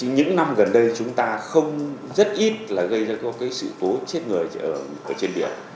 những năm gần đây chúng ta không rất ít là gây ra sự cố chết người ở trên biển